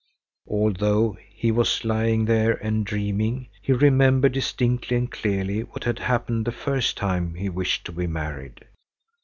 Although he was lying there and dreaming, he remembered distinctly and clearly what had happened the first time he wished to be married.